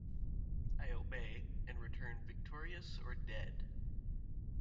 I obey, and return victorious or dead!